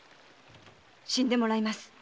死んでもらいます。